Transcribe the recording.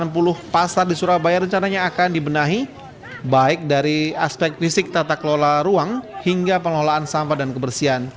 delapan puluh pasar di surabaya rencananya akan dibenahi baik dari aspek fisik tata kelola ruang hingga pengelolaan sampah dan kebersihan